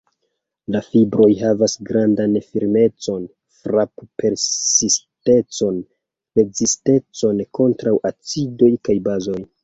La fibroj havas grandan firmecon, frap-persistecon, rezistecon kontraŭ acidoj kaj bazoj.